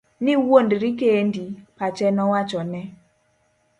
Niwuondri kendi, pache nowachone.